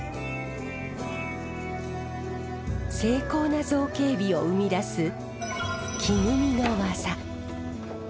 精巧な造形美を生み出す木組みの技。